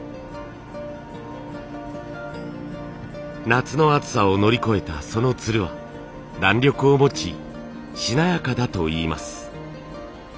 夏の暑さを乗り越えたそのつるは弾力を持ちしなやかだといいます。